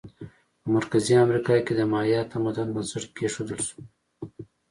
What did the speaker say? په مرکزي امریکا کې د مایا تمدن بنسټ کېښودل شو.